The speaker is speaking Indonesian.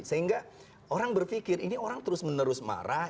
sehingga orang berpikir ini orang terus menerus marah